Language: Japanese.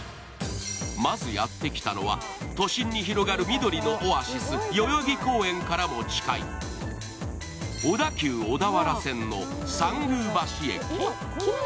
まずやってきたのは、都心に広がる緑のオアシス・代々木公園からも近い、小田急小田原線の参宮橋駅。